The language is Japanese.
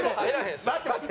待って待って！